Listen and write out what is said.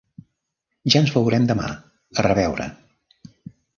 Ja ens veurem demà. A reveure!